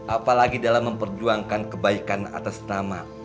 apalagi dalam memperjuangkan kebaikan atas nama